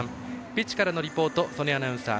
ピッチからのリポート曽根アナウンサー。